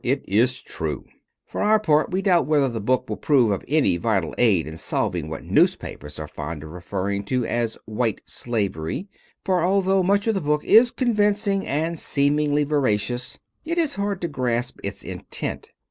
It is true." For our part, we doubt whether the book will prove of any vital aid in solving what newspapers are fond of referring to as "white slavery"; for, although much of the book is convincing and seemingly veracious, it is hard to grasp its intent.